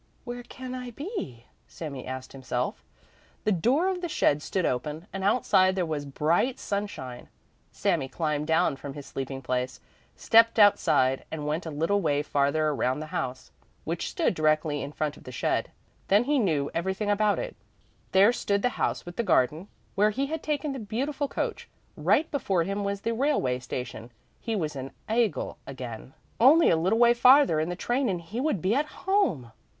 "Where can I be?" Sami asked himself. The door of the shed stood open, and outside there was bright sunshine. Sami climbed down from his sleeping place, stepped outside and went a little way farther around the house, which stood directly in front of the shed. Then he knew everything about it there stood the house with the garden, where he had taken the beautiful coach; right before him was the railway station he was in Aigle again. Only a little way farther in the train and he would be at home!